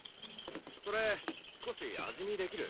それ少し味見できる？